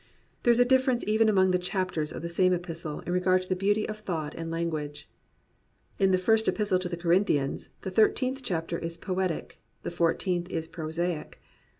There is a difference even among the chapters of the same epistle in regard to the beauty of thought and lan guage. In the First Epistle to the Corinthians, the thirteenth chapter is poetic, and the fourteenth is prosaic.